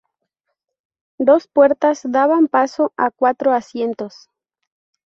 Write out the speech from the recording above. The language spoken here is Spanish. Dos puertas daban paso a cuatro asientos.